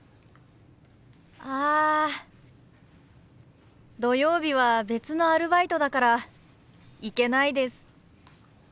あ土曜日は別のアルバイトだから行けないです。